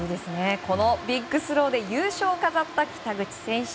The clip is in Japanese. このビッグスローで優勝を飾った北口選手。